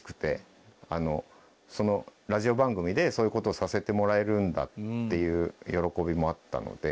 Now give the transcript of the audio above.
ラジオ番組でそういう事をさせてもらえるんだっていう喜びもあったので。